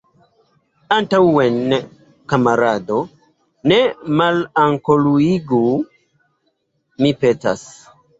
Antaŭen, kamarado! ne melankoliiĝu, mi petas.